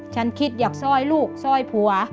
ฉันคิดอยากสร้อยลูกซ่อยผัว